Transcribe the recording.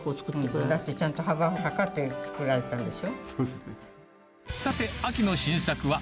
だってちゃんと幅測って、作られたんでしょ。